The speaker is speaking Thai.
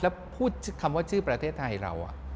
แล้วพูดคำว่าชื่อประเทศไทยเรา